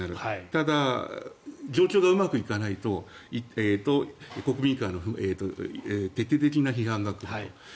ただ、状況がうまくいかないと国民からの徹底的な批判が来ると。